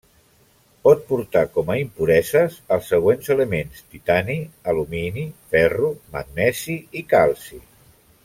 Pot portar com a impureses els següents elements: titani, alumini, ferro, magnesi i calci.